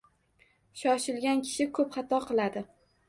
Shoshilgan kishi ko’p xato qiladi.